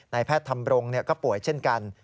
แพทย์ทำรงก็ป่วยเช่นกัน